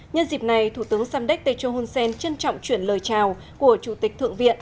nhân dịp này thủ tướng samdech techo hun sen trân trọng chuyển lời chào của chủ tịch thượng viện